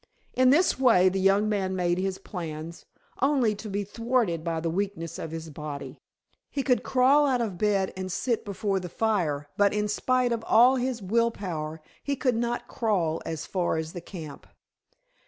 In this way the young man made his plans, only to be thwarted by the weakness of his body. He could crawl out of bed and sit before the fire, but in spite of all his will power, he could not crawl as far as the camp.